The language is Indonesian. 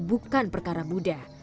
bukan perkara mudah